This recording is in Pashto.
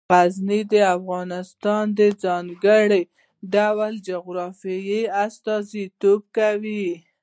غزني د افغانستان د ځانګړي ډول جغرافیه استازیتوب کوي.